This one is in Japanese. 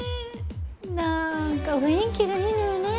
なんか雰囲気がいいのよね。